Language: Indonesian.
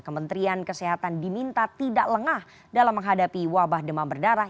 kementerian kesehatan diminta tidak lengah dalam menghadapi wabah demam berdarah